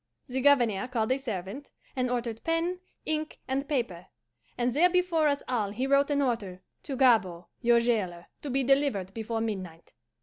The Governor called a servant, and ordered pen, ink, and paper; and there before us all he wrote an order to Gabord, your jailer, to be delivered before midnight.